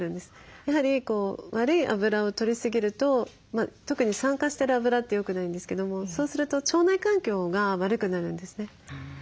やはり悪い油をとりすぎると特に酸化してる油ってよくないんですけどもそうすると腸内環境が悪くなるんですね。